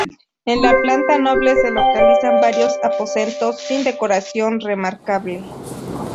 En la planta noble se localizan varios aposentos sin decoración remarcable.